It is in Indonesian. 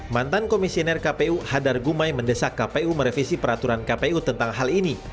mantan komisioner kpu hadar gumai mendesak kpu merevisi peraturan kpu tentang hal ini